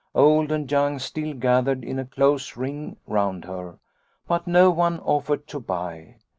Old and young still gathered in a close ring round her, but no one offered to buy.